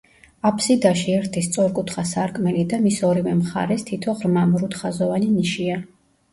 აფსიდაში ერთი სწორკუთხა სარკმელი და მის ორივე მხარეს თითო ღრმა, მრუდხაზოვანი ნიშია.